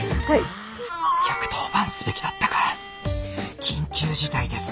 １１０番すべきだったか緊急事態です。